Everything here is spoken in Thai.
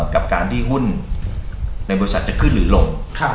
กับการที่หุ้นในบริษัทจะขึ้นหรือลง